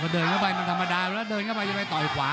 เดินเข้าไปมันธรรมดาแล้วเดินเข้าไปจะไปต่อยขวา